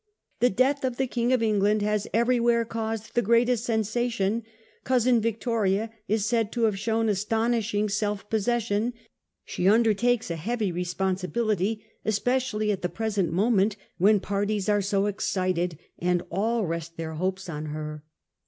1 The death of the King of England has every where caused the greatest sensation. ... Cousin Victoria is said to have shown astonishing self pos session. She undertakes a heavy responsibility, espe cially at the present moment, when parties are so excited, and all rest their hopes on her.